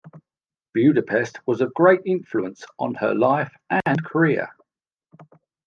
Budapest was of great influence on her life and career.